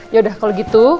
yaudah kalau gitu